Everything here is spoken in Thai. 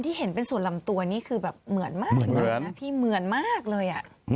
ที่เห็นเป็นส่วนลำตัวนี่คือเหมือนมากนะพี่เหมือนมากเลย